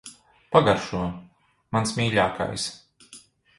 Pagaršo. Mans mīļākais.